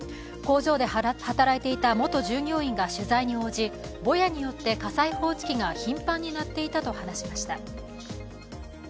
工場で働いていた元従業員が取材に応じ、ぼやによって火災報知機が頻繁に鳴っていたと話しました。